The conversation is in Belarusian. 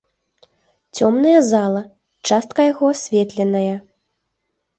Цёмная зала, частка яго асветленая.